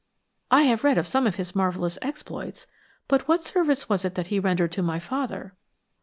"I have read of some of his marvelous exploits, but; what service was it that he rendered to my father?"